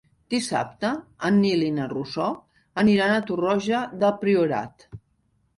Dissabte en Nil i na Rosó aniran a Torroja del Priorat.